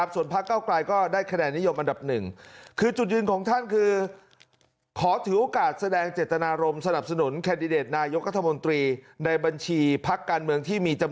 ส่วนพักเก้าไกลก็ได้คะแนนนิยมอันดับหนึ่ง